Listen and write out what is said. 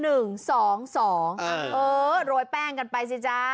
เออโรยแป้งกันไปสิจ๊ะ